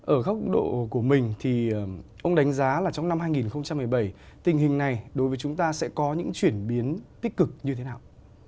ở góc độ của mình thì ông đánh giá là trong năm hai nghìn một mươi bảy tình hình này đối với chúng ta sẽ có những chuyển biến tích cực như thế nào